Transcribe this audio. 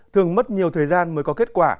thường mất nhiều thời gian mới có kết quả